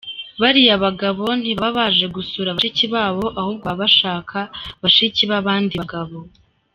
Bariya bagabo ntibaba baje gusura bashiki babo ahubwo baba bashaka bashiki b’abandi bagabo.